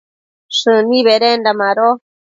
shëni bedenda mado